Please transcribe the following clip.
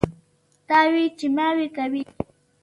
تاوې چې ماوې کوي.